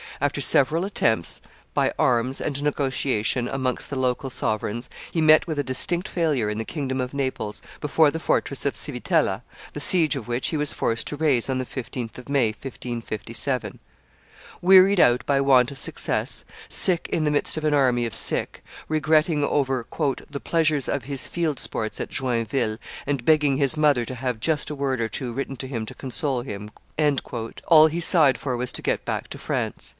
After several attempts by arms and negotiation amongst the local sovereigns, he met with a distinct failure in the kingdom of Naples before the fortress of Civitella, the siege of which he was forced to raise on the 15th of May, 1557. Wearied out by want of success, sick in the midst of an army of sick, regretting over "the pleasure of his field sports at Joinville, and begging his mother to have just a word or two written to him to console him," all he sighed for was to get back to France.